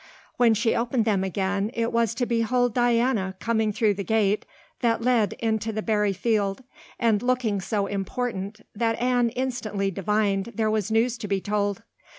When she opened them again it was to behold Diana coming through the gate that led into the Barry field and looking so important that Anne instantly divined there was news to be told.